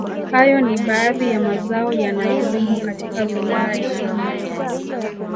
Hayo ni baadhi ya mazao yanayolimwa katika wilaya ya same